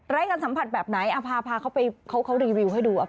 ไร้การสัมผัสแบบไหนฟาเขาส่งหาวิดวีวให้ดู